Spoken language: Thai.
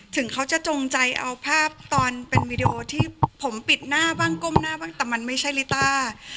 ถึงเขาจะจงใจเอาภาพตอนเป็นวีดีโอที่ผมปิดหน้าบ้างก้มหน้าบ้างแต่มันไม่ใช่ลิต้า